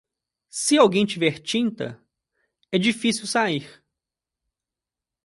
Se alguém tiver tinta, é difícil sair.